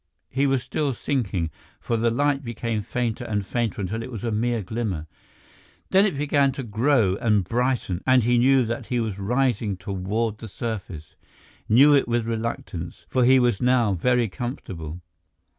He was still sinking, for the light became fainter and fainter until it was a mere glimmer. Then it began to grow and brighten, and he knew that he was rising toward the surface—knew it with reluctance, for he was now very comfortable.